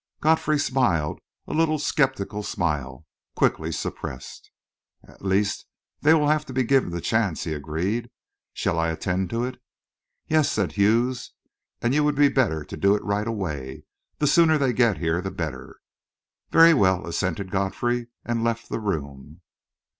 Godfrey smiled, a little sceptical smile, quickly suppressed. "At least, they will have to be given the chance," he agreed. "Shall I attend to it?" "Yes," said Hughes; "and you would better do it right away. The sooner they get here the better." "Very well," assented Godfrey, and left the room.